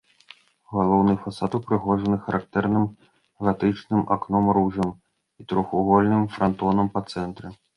Галоўны фасад упрыгожаны характэрным гатычным акном-ружай і трохвугольным франтонам па цэнтры.